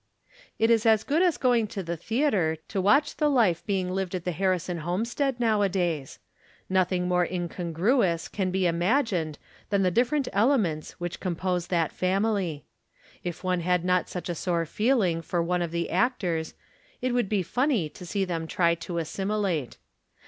It is as good as going to the theatre to watch the life being lived at the Harrison homestead nowadays ; nothing more incongruous can be imagined than the different elements which com pose that family. If one had not such a sore feeling for one of the actors, it would be funny to see them try to assimilate.